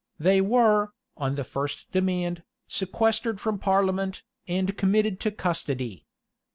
[] They were, on the first demand, sequestered from parliament, and committed to custody.